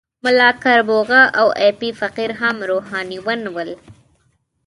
ملا کربوغه او ایپی فقیر هم روحانیون ول.